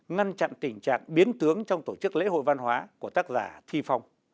ngăn chặn tình trạng biến tướng trong tổ chức lễ hội văn hóa của tác giả thi phong